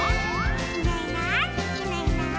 「いないいないいないいない」